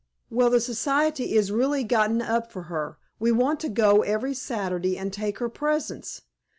"Well, the society is really gotten up for her. We want to go every Saturday, and take her presents.